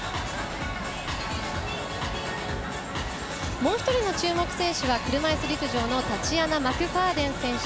もう１人の注目選手は車いす陸上のタチアナ・マクファーデン選手。